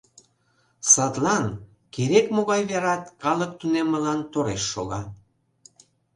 Садлан: керек-могай верат калык тунеммылан тореш шога.